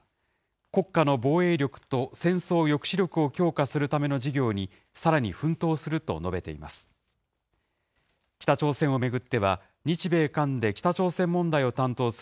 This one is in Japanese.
国家の防衛力と戦争抑止力を強化するための事業にさらに奮闘すると述べています。